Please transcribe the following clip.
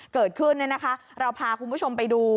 เกิดขึ้นเราพาคุณผู้ชมไปดู